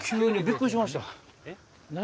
何？